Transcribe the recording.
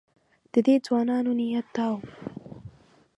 د دې ځوانانو نیت دا و.